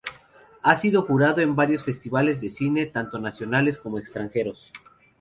Ha sido jurado en varios festivales de cine, tanto nacionales como extranjeros.